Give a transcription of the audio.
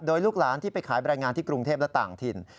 โดยลูกหลานที่ไปขายแบรนดงานที่กรุงเทพและต่างถิ่น